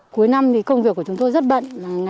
cuối năm thì công việc của chúng tôi rất bận